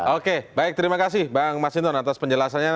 oke baik terima kasih bang mas hinton atas penjelasannya